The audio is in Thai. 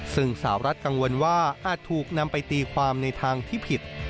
ซึ่งสาวรัฐกังวลว่าอาจถูกนำไปตีความในทางที่ผิด